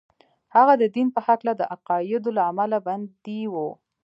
هغه د دين په هکله د عقايدو له امله بندي و.